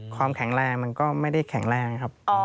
ความแข็งแรงมันก็ไม่ได้แข็งแรงนะครับ